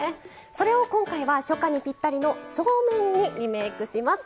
それを今回は初夏にぴったりのそうめんにリメイクします。